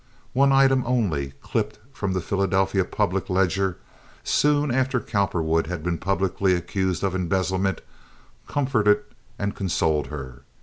One item only, clipped from the Philadelphia Public Ledger soon after Cowperwood had been publicly accused of embezzlement, comforted and consoled her.